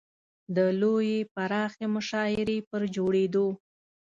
د لویې پراخې مشاعرې پر جوړېدو.